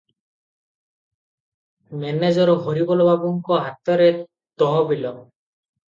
Manager Haribol ବାବୁଙ୍କ ହାତରେ ତହବିଲ ।